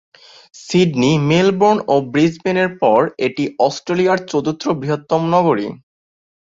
Sydney, Melbourne ও ব্রিসবেনের পর এটি অস্ট্রেলিয়ার চতুর্থ বৃহত্তম নগর।